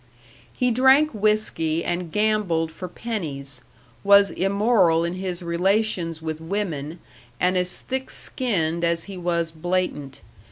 He drank whisky and gambled for pennies, was immoral in his relations with women and as thick skinned as he was blatant.